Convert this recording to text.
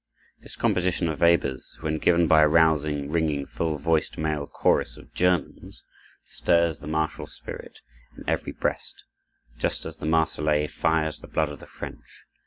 This composition of Weber's, when given by a rousing, ringing, full voiced male chorus of Germans, stirs the martial spirit in every breast, just as the Marseillaise fires the blood of the French.